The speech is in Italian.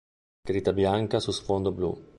Scritta bianca su sfondo blu.